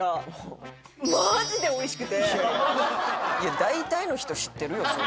いや大体の人知ってるよそれ。